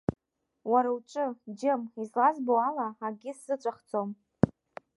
Уара уҿы, џьым, излазбо ала, акгьы сзыҵәахӡом…